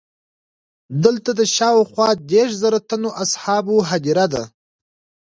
دلته د شاوخوا دېرش زره تنو اصحابو هدیره ده.